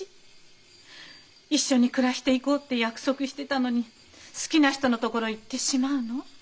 一緒に暮らしていこうって約束してたのに好きな人のところへ行ってしまうの？